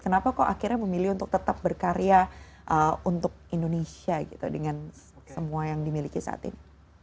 kenapa kok akhirnya memilih untuk tetap berkarya untuk indonesia gitu dengan semua yang dimiliki saat ini